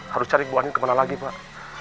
harus cari buahnya kemana lagi pak